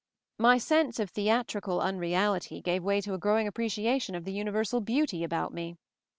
My sense of theatrical un reality gave way to a growing appreciation of the universal beauty about me.